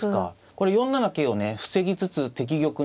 これ４七桂をね防ぎつつ敵玉に迫る